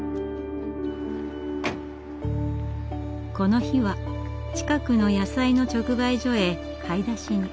この日は近くの野菜の直売所へ買い出しに。